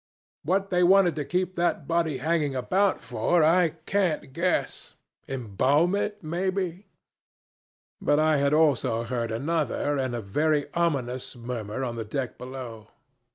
What they wanted to keep that body hanging about for I can't guess. Embalm it, maybe. But I had also heard another, and a very ominous, murmur on the deck below.